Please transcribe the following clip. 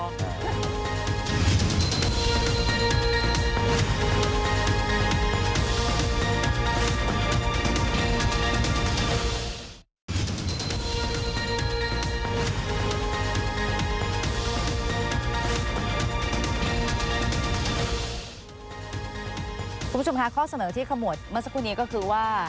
คุณผู้ชมคะข้อเสนอที่ขมวดเมื่อสักครู่นี้ก็คือว่า